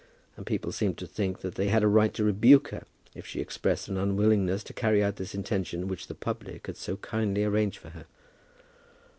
And people seemed to think that they had a right to rebuke her if she expressed an unwillingness to carry out this intention which the public had so kindly arranged for her.